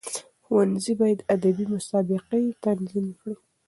ښوونځي باید ادبي مسابقي تنظیم کړي.